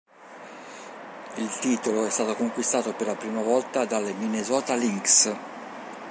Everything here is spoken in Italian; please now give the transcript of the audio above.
Il titolo è stato conquistato per la prima volta dalle Minnesota Lynx.